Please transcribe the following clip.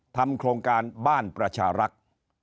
ทำโครงการบ้านประชารักษ์